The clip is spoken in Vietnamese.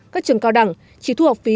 các trường cao đẳng chỉ thu học phí